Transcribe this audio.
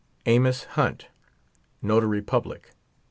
AMOS HUNT, Notary Public, No.